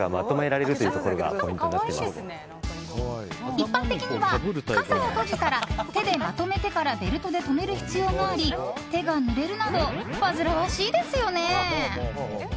一般的には傘を閉じたら手でまとめてからベルトで留める必要があり手がぬれるなど煩わしいですよね。